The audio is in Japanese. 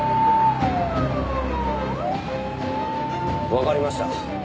わかりました。